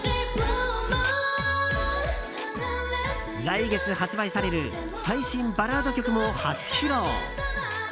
来月発売される最新バラード曲も初披露。